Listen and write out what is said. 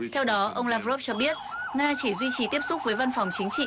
theo đó ông lavrov cho biết nga chỉ duy trì tiếp xúc với văn phòng chính trị